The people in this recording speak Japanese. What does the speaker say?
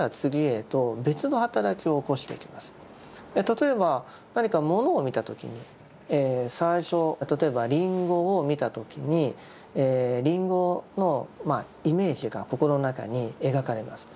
例えば何かものを見た時に最初例えばリンゴを見た時にリンゴのイメージが心の中に描かれます。